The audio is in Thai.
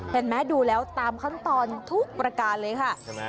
เห็นไหมดูแล้วตามขั้นตอนทุกประการเลยค่ะ